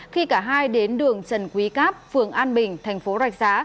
khi cả hai đến đường trần quý cáp phường an bình thành phố rạch giá